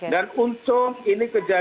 dan untung ini kejaksaan